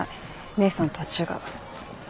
姉さんとは違う。